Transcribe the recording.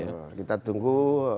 betul kita tunggu